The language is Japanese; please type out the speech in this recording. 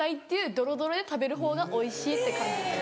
ドロドロで食べるほうがおいしいって感じます。